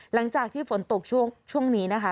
หลังจากที่ฝนตกช่วงนี้นะคะ